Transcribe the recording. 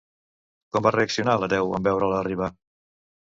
Com va reaccionar l'hereu en veure-la arribar?